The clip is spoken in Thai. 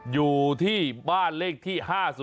อยู่ที่บ้านเลขที่๕๐